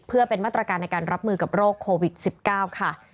เพื่อเป็นมาตรการในการรับมือกับโรคโควิด๑๙ค่ะ